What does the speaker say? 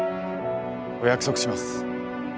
お約束します。